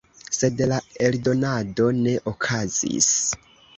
Sed la eldonado ne okazis.